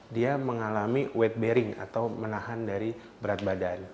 dia mengalami weight bearing atau menahan dari berat badan